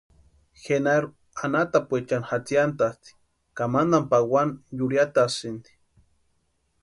Genaru anhatapuechani jatsiantasti ka mantani pawani yurheatasïnti.